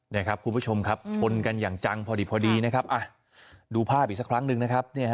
นี่ครับคุณผู้ชมครับชนกันอย่างจังพอดีนะครับดูภาพอีกสักครั้งหนึ่งนะครับ